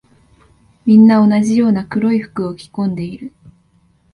みんな同じような黒い服を着込んでいる。